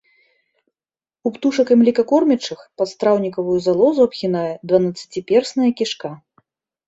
У птушак і млекакормячых падстраўнікавую залозу абгінае дванаццаціперсная кішка.